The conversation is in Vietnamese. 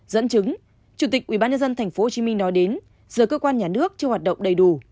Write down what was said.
dẫn chứng chủ tịch ủy ban nhân dân tp hcm nói đến giờ cơ quan nhà nước chưa hoạt động đầy đủ